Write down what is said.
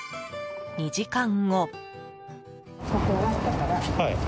２時間後。